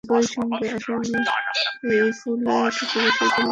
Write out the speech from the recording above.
একই সঙ্গে আসামি আরিফুলকে চিকিৎসার জন্য বিদেশে পাঠানোর আবেদন করেন তাঁর আইনজীবী।